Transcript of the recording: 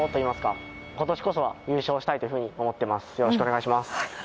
よろしくお願いします。